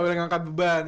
gak boleh ngangkat beban